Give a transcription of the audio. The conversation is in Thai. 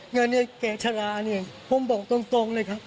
เงินเนี่ยแก่ชะลาเนี่ยผมบอกตรงเลยครับ